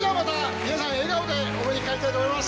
それじゃあまた皆さん笑顔でお目にかかりたいと思います。